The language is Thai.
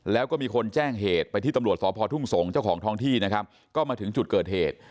แล้วก็มีคนแจ้งเหตุไปที่ตำรวจสพทุ่งสงศ์เจ้าของท้องที่นะครับก็มาถึงจุดเกิดเหตุ